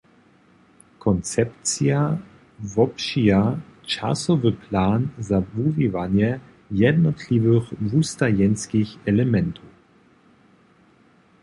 Konzepcija wopřija časowy plan za wuwiwanje jednotliwych wustajenskich elementow.